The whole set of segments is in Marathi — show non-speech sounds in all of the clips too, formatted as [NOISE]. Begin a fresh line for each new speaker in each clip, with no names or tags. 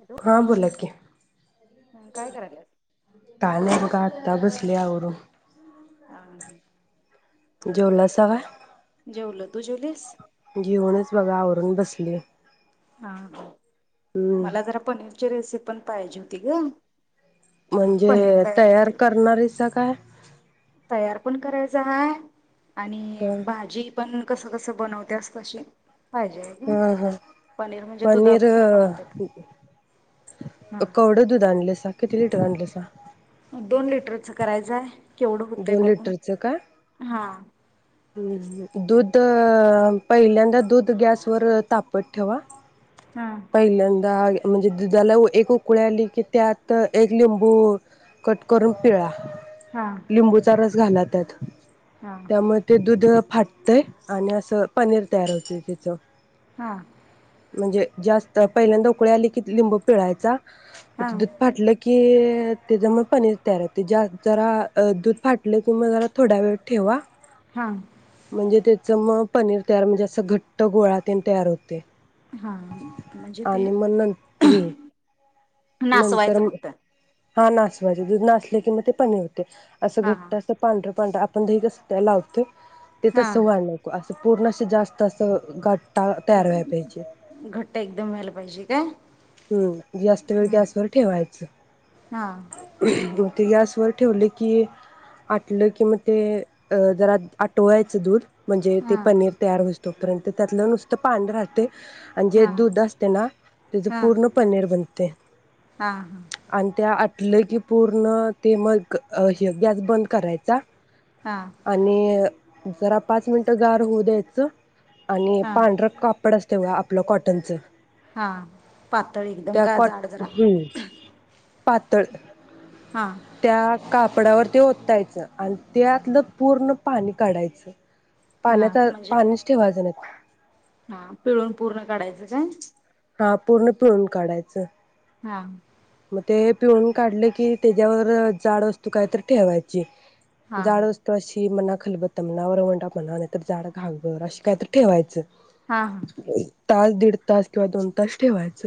हॅलो
हा बोला की
काय करायल्यास
काय नाही बघा.. ता बसले आवरून [INAUDIBLE]
हा बर
जेवलासा होय
जेवलो तू जेवलीस
जेऊनच बघा आवर...... रूम बसलीये......
हा मला जरा पनीरची रेसिपी.... पण पाहिजे होती ग...
म्हणजे
पनीर
तयार
करतील
करणारीचा काय
तयार पण करायचं हाय आणि
ह
भाजी पण कसं कसं बनवत्यास कशी?
हा हा
म्हणजे
पनीर
दुधापासून बनवत्यात
अ
हा
कवडं दूध आणले सा? किती लिटर आणलं सा?
मं दोन लिटरचं करायचंय. केवढं होतंय
दोन
बघू
लिटरचं का
हा
दूध अ पहिल्यांदा दूध गॅसवर तापत ठेवा
हा
पहिल्यांदा म्हणजे दुधाला एक उकळी आली की त्यात एक लिंबू कट करून पिळा.
हा
लिंबूचा रस घाला त्यात.
हा
त्यामध्ये दुध फाटतंय आणि असं पनीर तयार होतय त्याच
हा.
म्हणजे जास्त पहिल्यांदा उकळी आली की लिंबू पिळायचा
हा
दूध फाटलं की त्यज्यामुळं पनीर तयार होतंय ज्यात जरा अ दूध फाटलं किं म जरा थोडा वेळ ठेवा
हा
म्हणजे ते चं म पनीर तयार म्हणजे असं घट्ट गोळा तेन तयार होतय.
हा म्हणजे ते
नं हम्म
नासवायचं
नंतर
फक्त
हा नसवायचं दूध नासलं कि मग ते पनीर अस
हा
घट्ट असं पांडर पांडर आप आपण दही कसं त्याला लावतोय प ते
हा
तसं व्हाय नको असं पूर्ण असं जास्त असं काट
घट्ट एकदम व्हायला पाहिजे. [INAUDIBLE]
हम्म जास्त वेळ
हा
गॅसवर ठेवायचं.
हा
[INAUDIBLE] ते गॅसवर ठेवल की, आटलं कि मग ते अ जरा आटवायचं दूध. म्हणजे ते
हा
पनीर तयार होस तोपर्यंत त्यातल नुसत पाणी राहतय... आणि जे
हा
दूध असत ना त्याज
हा
पूर्ण पनीर बनते... आणि त्या आ... की पूर्ण ते मग हे गॅस बंद करायचा.....
हा
आणि.. जरा पाच मिनिटं गार होऊ द्यायच.... आणि
हा
पांढर कापड अस... तेव्हा आपल कॉटनच
हा पातळ एकदम का जाड जरा..
[INAUDIBLE] तळ
हा
[INAUDIBLE] त्या कापडावर ते ओतायच आणि त्यातल पूर्ण पाणी काढायच...
हा म्हणजे हा पिळून पूर्ण काढायच.... [INAUDIBLE]
हा पूर्ण पिळून काढायच
हा
ते पिळून काढल कि त्याच्यावर जाड वस्तू काय तर ठेवायची....
हा
जाड वस्तू अशी... ती म्हणा, खलबत्ता म्हणा, वरवंटा म्हणा, नाहीतर जाड घागबर अशी काय तर ठेवायच...
हा हा
तास दीड तास किंवा दोन तास ठेवायच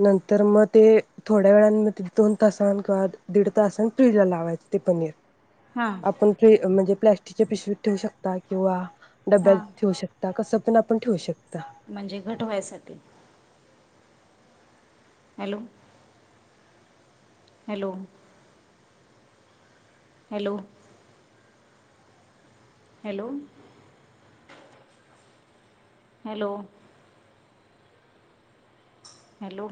नंतर मग.... ते थोड्या वेळान म दोन तासान किंवा दीड तासन फ्रिज ला लावायचे ते पनीर....
हा
आपण फ्री म्हणजे प... तिच्या पिशवीत ठेवू शकताय किंवा... डब्यात
हा
ठेऊ शकता कस... पण आपण ठेवू शको
म्हणजे घट व्ह्यासाठी hello hello hello hello hello hello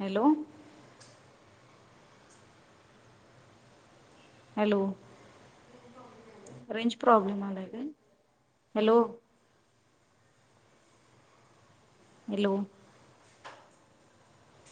hello hello range problem आलाय काय हॅलो... हॅलो